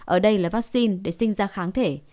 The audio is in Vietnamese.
ở đây là vaccine để sinh ra kháng thể